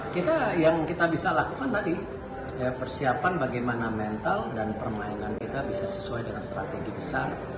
kita yang kita bisa lakukan tadi persiapan bagaimana mental dan permainan kita bisa sesuai dengan strategi besar